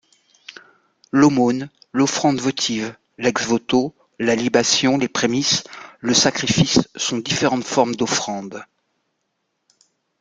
L’aumône, l’offrande votive, l’ex-voto, la libation, les prémices, le sacrifice sont différentes formes d’offrandes.